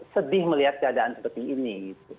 sedih melihat keadaan seperti ini